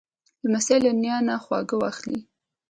لمسی له نیا نه خواږه واخلې.